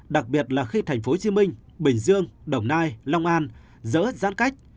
đặc biệt là khi thành phố hồ chí minh bình dương đồng nai long an dỡ giãn cách